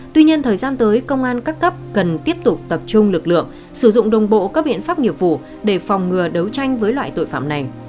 tuy nhiên thời gian tới công an các cấp cần tiếp tục tập trung lực lượng sử dụng đồng bộ các biện pháp nghiệp vụ để phòng ngừa đấu tranh với loại tội phạm này